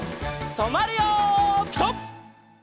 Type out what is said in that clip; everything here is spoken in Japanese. とまるよピタ！